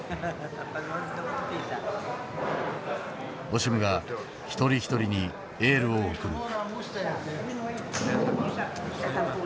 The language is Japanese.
オシムが一人一人にエールを送る。